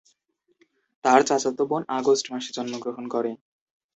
তার চাচাতো বোন আগস্ট মাসে জন্মগ্রহণ করে।